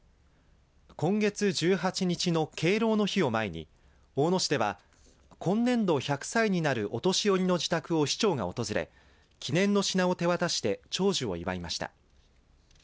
今月１８日の敬老の日を前に大野市では今年度１００歳になるお年寄りの自宅を市長が訪れ記念の品を手渡して長寿を祝いました。